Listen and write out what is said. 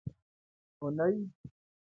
اونۍ